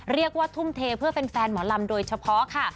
เรียกว่าทุ่มเทเพื่อแฟนหมอลำโดยเฉพาะค่ะ